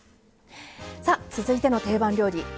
さあ続いての定番料理